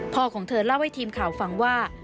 ของเธอเล่าให้ทีมข่าวฟังว่า